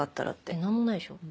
何もないでしょ？